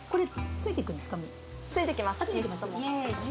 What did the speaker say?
付いてきます